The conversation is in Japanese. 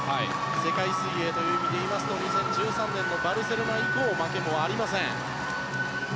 世界水泳という意味で言いますと２０１３年のバルセロナ以降負けもありません。